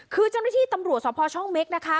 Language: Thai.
คือจำนวดที่ตำรวจสอบพอช่องเม็กนะคะ